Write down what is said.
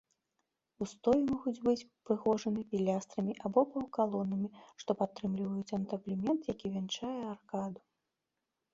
Устоі могуць быць упрыгожаны пілястрамі або паўкалонамі, што падтрымліваюць антаблемент, які вянчае аркаду.